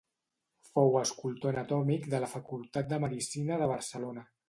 Fou escultor anatòmic de la Facultat de Medicina de Barcelona.